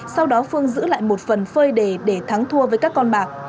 sau đó phương giữ lại một phần phơi đề để thắng thua với các con bạc